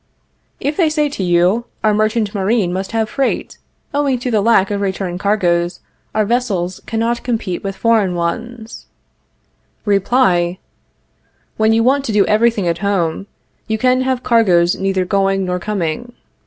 If they say to you: Our merchant marine must have freight; owing to the lack of return cargoes our vessels cannot compete with foreign ones Reply: When you want to do everything at home, you can have cargoes neither going nor coming.